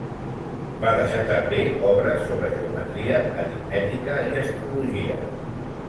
Va deixar també obres sobre geometria, aritmètica i astrologia.